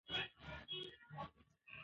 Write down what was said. عامه چارې د قانون له مخې تنظیمېږي.